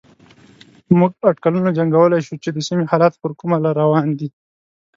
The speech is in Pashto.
موږ اټکلونه جنګولای شو چې د سيمې حالات پر کومه روان دي.